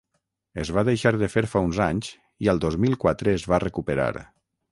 Es va deixar de fer fa uns anys i al dos mil quatre es va recuperar.